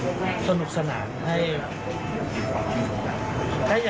ฟังเสียงคุณแฮกและคุณจิ้มค่ะ